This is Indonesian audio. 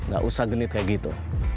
gak usah genit kayak gitu